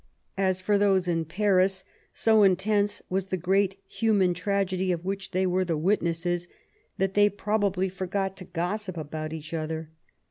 As for those in Paris^ so intense was the great human tragedy of which they were the witnesses, that they probably forgot to gossip about each other.